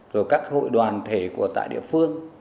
rồi các hội đoàn thể của tại địa phương